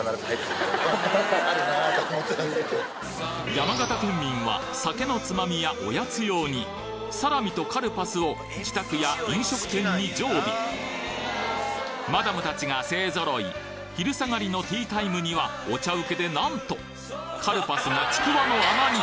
山形県民は酒のつまみやおやつ用にサラミとカルパスを自宅や飲食店に常備マダム達が勢ぞろい昼下がりのティータイムにはお茶請けでなんと！カルパスがちくわの穴に！